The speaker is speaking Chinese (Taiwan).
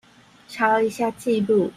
查了一下記錄